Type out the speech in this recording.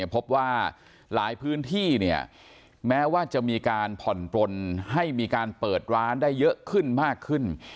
พบว่าหลายพื้นที่แม้ว่าจะมีการผ่อนปลนให้มีการเปิดร้านได้เยอะขึ้นมากขึ้น